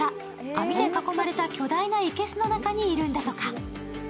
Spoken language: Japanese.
網で囲まれた巨大な生けすの中にいるんだとか。